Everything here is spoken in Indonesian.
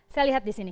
saya lihat di sini